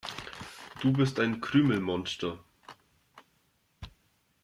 Du bist ein Krümelmonster.